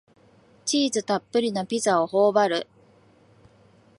チーズたっぷりのピザをほおばる